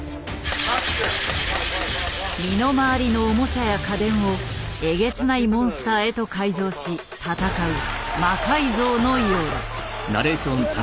身の回りのオモチャや家電をえげつないモンスターへと改造し戦う「魔改造の夜」。